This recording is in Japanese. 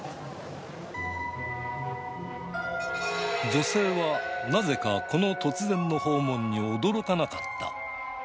女性はなぜかこの突然の訪問に驚かなかった。